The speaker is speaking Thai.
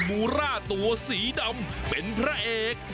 มูร่าตัวสีดำเป็นพระเอก